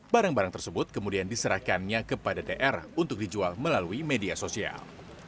barang barang tersebut kemudian diserahkannya kepada dr untuk dijual melalui media sosial